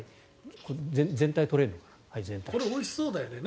全体撮れるかな。